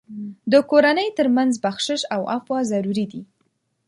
د کورنۍ تر منځ بخشش او عفو ضروري دي.